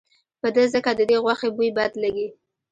په ده ځکه ددې غوښې بوی بد لګي.